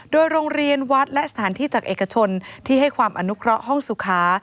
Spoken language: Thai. โดยโรงเรียนวัดและสถานที่จากเอกชนที่ให้ความอนุเคราะห์ห้องสุขา